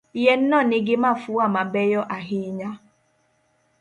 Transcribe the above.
Yien no nigi mafua mabeyo ahinya.